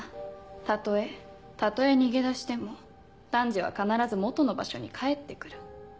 たとえたとえ逃げ出してもタンジは必ず元の場所に帰って来る。